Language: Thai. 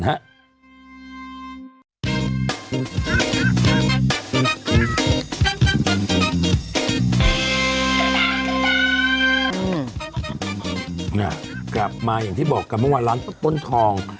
เนี่ยกลับมาอย่างที่บอกกันเมื่อวานร้านต้นทอง